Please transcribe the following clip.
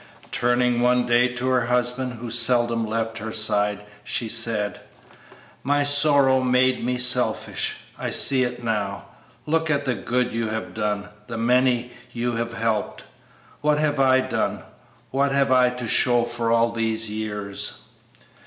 Turning one day to her husband, who seldom left her side, she said, "My sorrow made me selfish; I see it now. Look at the good you have done, the many you have helped; what have I done, what have I to show for all these years?"